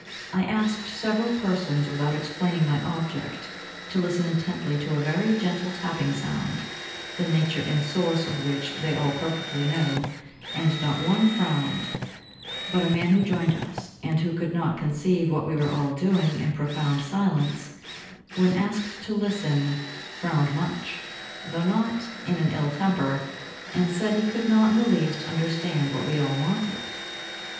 I asked several persons, without explaining my object, to listen intently to a very gentle tapping sound, the nature and source of which they all perfectly knew, and not one frowned; but a man who joined us, and who could not conceive what we were all doing in profound silence, when asked to listen, frowned much, though not in an ill temper, and said he could not in the least understand what we all wanted.